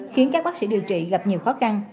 khiến các bác sĩ điều trị gặp nhiều khó khăn